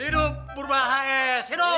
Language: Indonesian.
hidup burba h s hidup